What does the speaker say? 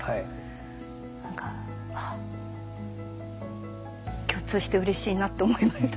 何かあっ共通してうれしいなと思いました。